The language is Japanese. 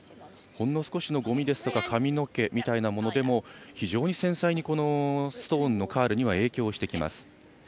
ほんの少しのごみですとか髪の毛のようなものでも非常に繊細に、このストーンのカールには影響してきます。